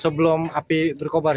sebelum api berkobar ya